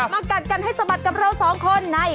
กัดกันให้สะบัดกับเราสองคนใน